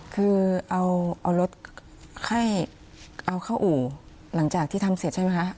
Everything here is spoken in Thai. คือเอารถให้เอาเข้าอู่หลังจากที่ทำเสร็จใช่ไหมคะ